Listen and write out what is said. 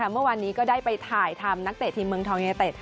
เมื่อวานนี้ก็ได้ไปถ่ายทำนักเตะทีมเมืองทองยูเนเต็ด